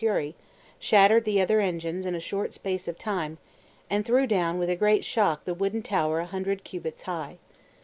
fury, shattered the other engines in a short space of time, and threw down with a great shock the wooden tower a hundred cubits high.